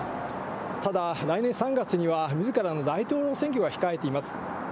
ただ、来年３月にはみずからの大統領選挙が控えています。